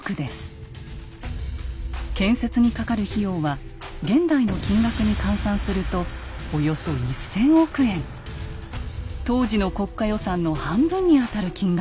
建設にかかる費用は現代の金額に換算すると当時の国家予算の半分にあたる金額です。